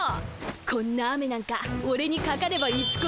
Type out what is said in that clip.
こんな雨なんかオレにかかればイチコロだぜ。